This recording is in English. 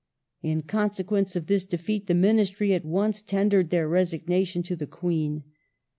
In consequence of this defeat the Ministry at once tendered their resignation to the Queen.